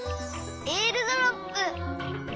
えーるドロップ！